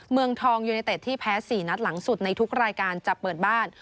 เมืองทองยูเนเต็ดที่แพ้๔นัดหลังสุดในทุกรายการจะเปิดบ้าน